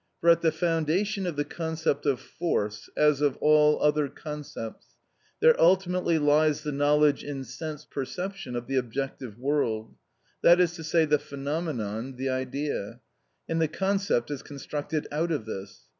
For at the foundation of the concept of force, as of all other concepts, there ultimately lies the knowledge in sense perception of the objective world, that is to say, the phenomenon, the idea; and the concept is constructed out of this.